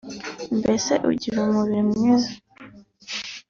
mbese ugire umubiri mwiza